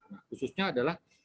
nah khususnya ada yang berpikir